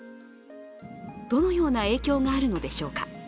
どのような影響があるのでしょうか。